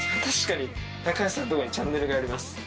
確かに高橋さんのとこにチャンネルがあります